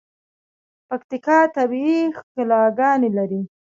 پکیتکا طبیعی ښکلاګاني لري.